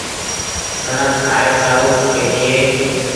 ڪڻڪ کآئي سارو کپي ڇي۔